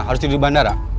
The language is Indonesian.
harus tidur di bandara